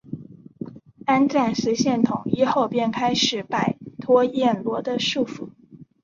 安赞实现统一后便开始摆脱暹罗的束缚。